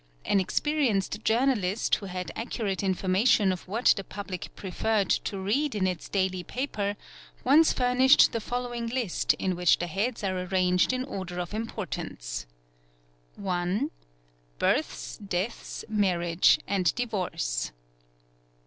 An experienced journalist who had accurate information of what the public preferred — to read in its daily paper, once furnished the following list in which the heads are arranged in order of importance :— 1. Births, deaths, marriage, and divorce.